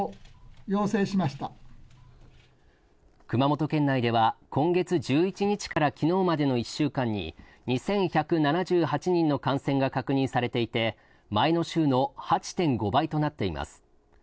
熊本県内では今月１１日からきのうまでの１週間に２１７８人の感染が確認されていて前の週の８．５倍となっています